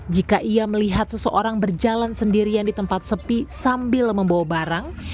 jika ia melihat seseorang berjalan sendirian di tempat sepi sambil membawa barang